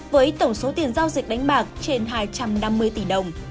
với tổng số tiền giao dịch đánh bạc trên hai trăm năm mươi tỷ đồng